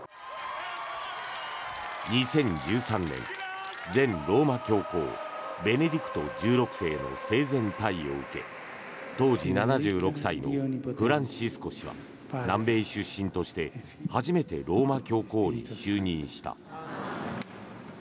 ２０１３年、前ローマ教皇ベネディクト１６世の生前退位を受け当時７６歳のフランシスコ氏は南米出身として初めてローマ教皇に就任した。